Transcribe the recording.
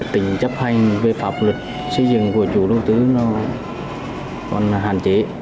tính chấp hành về pháp luật xây dựng của chủ đầu tư còn hạn chế